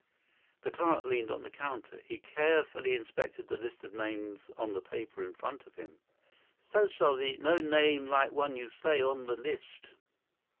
The clerk leaned on the counter. He carefully inspected the list of names on the paper in front of him. "So sorry. No name like one you say on this list."